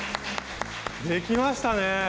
できましたね！